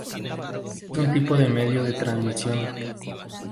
Es un tipo de medio de transmisión.